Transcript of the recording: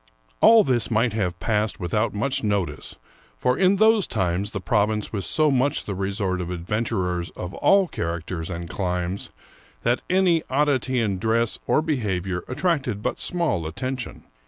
All this might have passed without much notice, for in those times the province was so much the resort of adven turers of all characters and climes that any oddity in dress or behavior attracted but small attention.